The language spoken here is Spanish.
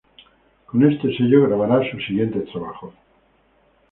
Con este sello grabará sus siguientes trabajos.